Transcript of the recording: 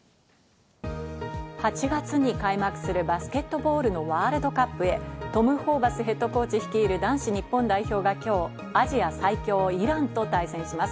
８月に開幕するバスケットボールのワールドカップへ、トム・ホーバスＨＣ率いる、男子日本代表が今日、アジア最強イランと対戦します。